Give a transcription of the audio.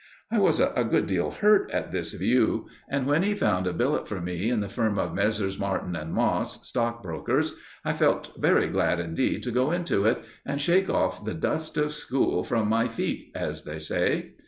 I was a good deal hurt at this view, and when he found a billet for me in the firm of Messrs. Martin & Moss, Stock Brokers, I felt very glad indeed to go into it and shake off the dust of school from my feet, as they say.